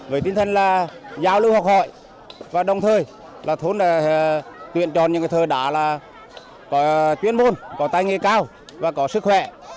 với tinh thần là giao lưu học hội và đồng thời là thôn tuyện tròn những cái thơ đá là có chuyên môn có tài nghề cao và có sức khỏe